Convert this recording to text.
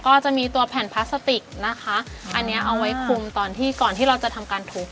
ก็จะมีตัวแผ่นพลาสติกนะคะอันนี้เอาไว้คุมตอนที่ก่อนที่เราจะทำการทุบ